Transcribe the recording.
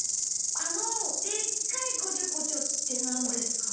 あの「でっかいこちょこちょ」ってなんですか？